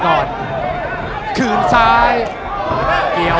อันดับสุดท้าย